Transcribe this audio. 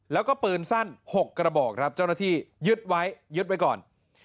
แล้วก็ปืนสั้น๖กระบอกครับเจ้าหน้าที่ยึดไว้ยึดไว้ก่อน